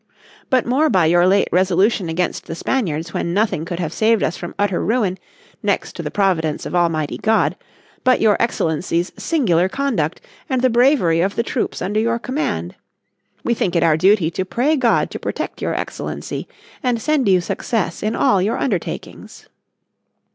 But more by your late resolution against the Spaniards when nothing could have saved us from utter ruin, next to the Providence of Almighty God, but your Excellency's singular conduct, and the bravery of the troops under your command. We think it our duty to pray God to protect your Excellency and send you success in all your undertakings."